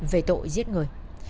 về tội giết người